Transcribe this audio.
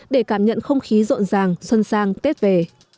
để cảm nhận không khí rộn ràng xuân sang tết về